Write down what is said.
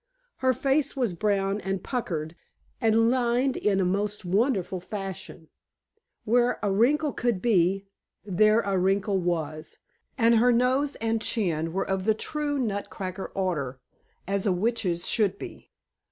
Her face was brown and puckered and lined in a most wonderful fashion. Where a wrinkle could be, there a wrinkle was, and her nose and chin were of the true nutcracker order, as a witch's should be.